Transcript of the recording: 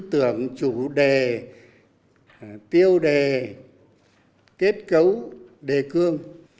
tưởng chủ đề tiêu đề kết cấu đề cương